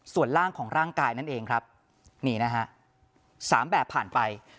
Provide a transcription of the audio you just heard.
ส่วนร่างของร่างกายนั่นเองครับนี่นะฮะสามแบบผ่านไป